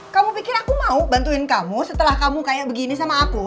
kamu pikir aku mau bantuin kamu setelah kamu kayak begini sama aku